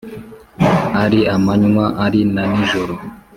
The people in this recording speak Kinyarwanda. Ari amanywa ari na nijoro